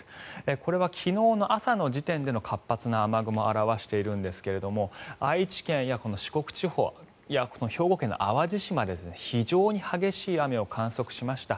これは昨日の朝の時点での活発な雨雲を表しているんですが愛知県や四国地方や兵庫県の淡路島ですね非常に激しい雨を観測しました。